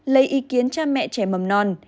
lấy ý kiến cha mẹ trẻ mầm non